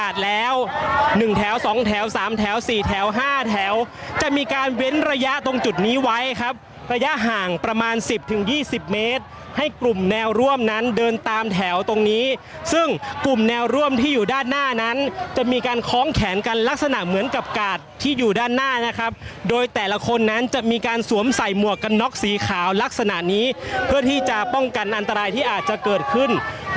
แถวห้าแถวจะมีการเว้นระยะตรงจุดนี้ไว้ครับระยะห่างประมาณสิบถึงยี่สิบเมตรให้กลุ่มแนวร่วมนั้นเดินตามแถวตรงนี้ซึ่งกลุ่มแนวร่วมที่อยู่ด้านหน้านั้นจะมีการคล้องแขนกันลักษณะเหมือนกับกาดที่อยู่ด้านหน้านะครับโดยแต่ละคนนั้นจะมีการสวมใส่หมวกกันน็อกสีขาวลักษณะนี้เพื่อที่จะป้องกันอ